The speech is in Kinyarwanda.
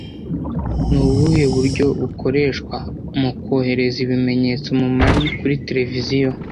Ni ubuhe buryo bukoreshwa mu kohereza ibimenyetso mu majwi kuri televiziyo